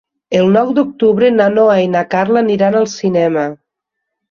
El nou d'octubre na Noa i na Carla aniran al cinema.